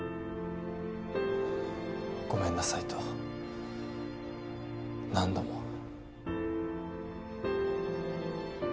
ごめんなさいと何度も。